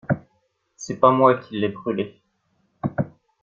C'est pas moi qui l'ai brûlée.